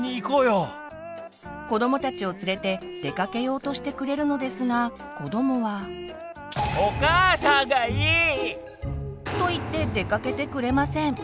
子どもたちを連れて出かけようとしてくれるのですが子どもは。と言って出かけてくれません。